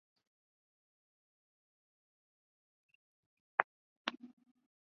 而后在乾隆四十三年在士绅王拱照主导下又再次重修。